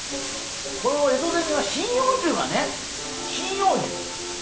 このエゾゼミは針葉樹がね